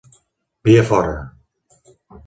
Via Fora!!